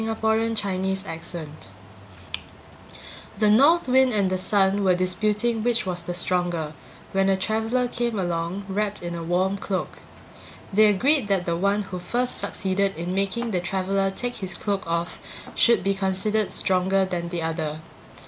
Orthographic version The North Wind and the Sun were disputing which was the stronger, when a traveler came along wrapped in a warm cloak. They agreed that the one who first succeeded in making the traveler take his cloak off should be considered stronger than the other.